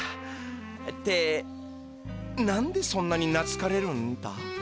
って何でそんなになつかれるんだ？